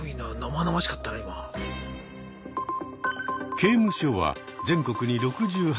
刑務所は全国に６８か所。